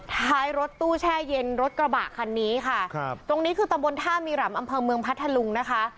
ท้ายรถตู้แช่เย็นรถกระบะคันนี้ค่ะครับตรงนี้คือตำบลท่ามีหลำอำเภอเมืองพัทธลุงนะคะ